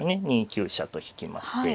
２九飛車と引きまして。